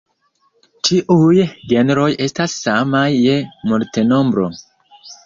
Ĉiuj genroj estas samaj je multenombro.